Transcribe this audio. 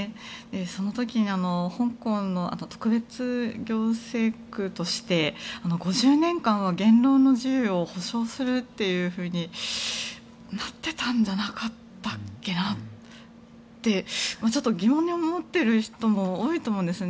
その時に、香港特別行政区として５０年間は言論の自由を保障するってなってたんじゃなかったっけなってちょっと疑問に思っている人も多いと思うんですね。